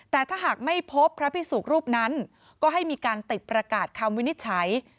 แต่ถ้าหากไม่พบพระพิสุกรูปนั้นก็ให้มีการติดประกาศคำวินิจฉัย